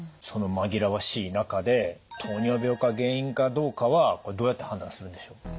その紛らわしい中で糖尿病が原因かどうかはこれどうやって判断するんでしょう？